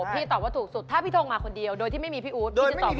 พี่ตอบว่าถูกสุดถ้าพี่ทงมาคนเดียวโดยที่ไม่มีพี่อู๊ดพี่จะตอบ